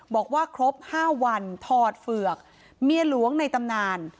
บอกว่าครบ๕วันถอดเฝือกเมียหลวงในตำนาน